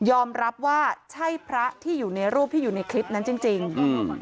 รับว่าใช่พระที่อยู่ในรูปที่อยู่ในคลิปนั้นจริงจริงอืม